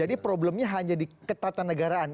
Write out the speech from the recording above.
jadi problemnya hanya di ketatanegaraan